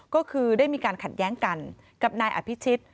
ก็คือได้มีการขัดแย้งกันกับนายอภิชิต